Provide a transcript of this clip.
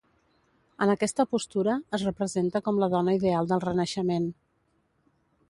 En aquesta postura, es representa com la dona ideal del Renaixement.